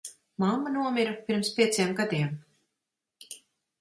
Mamma nomira pirms pieciem gadiem.